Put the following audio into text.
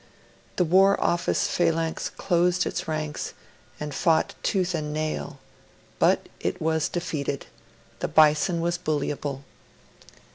The War Office phalanx closed its ranks, and fought tooth and nail; but it was defeated: the Bison was bullyable.